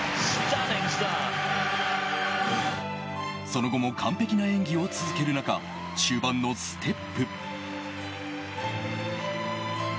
その後も完璧な演技を続ける中中盤のステップ。